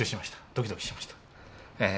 ドキドキしました。